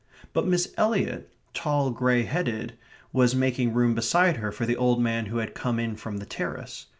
But Miss Eliot, tall, grey headed, was making room beside her for the old man who had come in from the terrace.